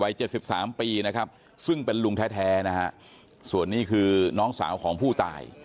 ๗๓ปีนะครับซึ่งเป็นลุงแท้นะฮะส่วนนี้คือน้องสาวของผู้ตาย